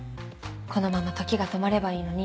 「このまま時が止まればいいのに」